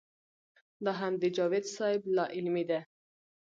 دا هم د جاوېد صېب لا علمي ده